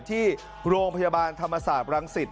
ที่โรงพยาบาลธรรมศาสตร์รังสิต